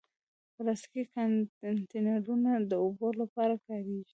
پلاستيکي کانټینرونه د اوبو لپاره کارېږي.